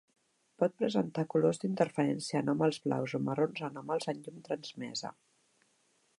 Pot presentar colors d'interferència anòmals blaus o marrons anòmals en llum transmesa.